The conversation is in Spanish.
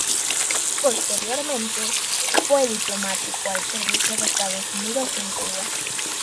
Posteriormente, fue diplomático al servicio de Estados Unidos en Cuba.